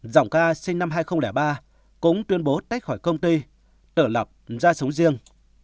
giọng ca sinh năm hai nghìn ba cũng tuyên bố tách khỏi công ty tự lập ra sống riêng